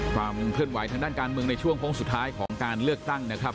ความเคลื่อนไหวทางด้านการเมืองในช่วงโค้งสุดท้ายของการเลือกตั้งนะครับ